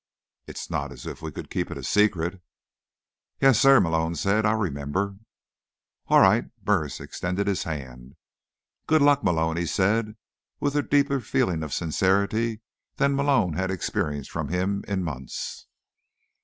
"It's not as if we could keep it a secret." "Yes, sir," Malone said. "I'll remember." "All right." Burris extended his hand. "Good luck, Malone," he said, with a deeper feeling of sincerity than Malone had experienced from him in months.